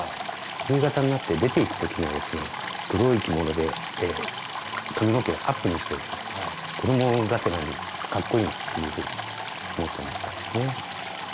夕方になって出ていく時にはですね黒い着物で髪の毛をアップにしてですね子供がてらにかっこいいなっていうふうに思ってましたですね。